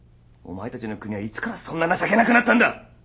お前たちの国はいつからそんな情けなくなったんだ！